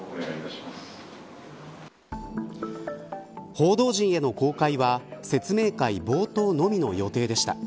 報道陣への公開は説明会冒頭のみの予定でした。